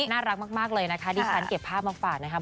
น่ารักมากเลยนะคะดิฉันเก็บภาพมาฝากนะครับ